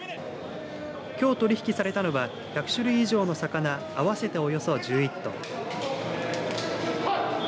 きょう取り引きされたのは１００種類以上の魚合わせておよそ１１トン。